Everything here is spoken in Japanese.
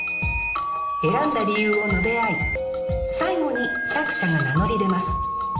選んだ理由を述べ合い最後に作者が名乗り出ます。